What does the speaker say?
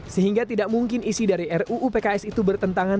sehingga tidak mungkin isi dari ruupks itu bertentangan